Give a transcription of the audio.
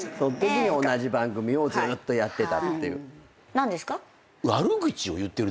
何ですか？